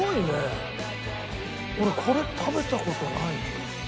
俺これ食べた事ない。